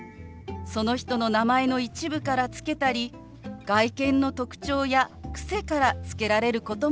その人の名前の一部から付けたり外見の特徴や癖から付けられることもあります。